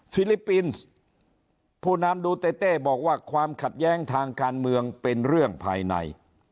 ฟินส์ผู้นำดูเต้เต้บอกว่าความขัดแย้งทางการเมืองเป็นเรื่องภายใน